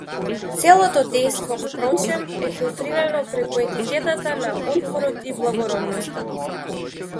Целото дејство впрочем е филтритано преку етикетата на отпорот и благородноста.